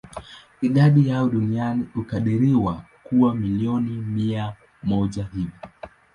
Idadi yao duniani hukadiriwa kuwa milioni mia moja hivi.